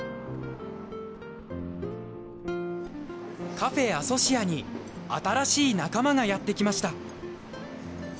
カフェアソシアに新しい仲間がやって来ました。